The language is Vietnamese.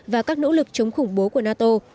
và các nỗ lực chống khủng bố của nato